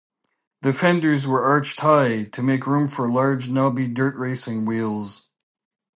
The fenders were arched high, to make room for large, knobby dirt-racing wheels.